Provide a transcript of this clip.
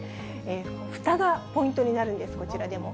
ふたがポイントになるんです、こちらでも。